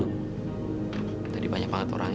dari tadi banyak banget orang ya